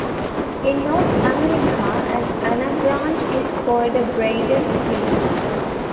In North America an anabranch is called a "braided stream".